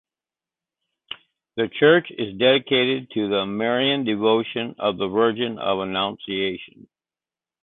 The church is dedicated to the Marian devotion of the Virgin of the Annunciation.